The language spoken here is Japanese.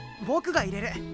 僕がいれる。